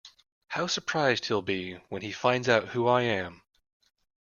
How surprised he’ll be when he finds out who I am!